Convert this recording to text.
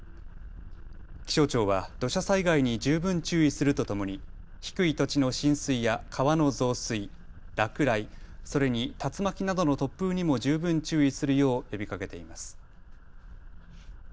気象庁は土砂災害に十分注意するとともに低い土地の浸水や川の増水、落雷、それに竜巻などの突風にも十分注意するよう呼びかけています。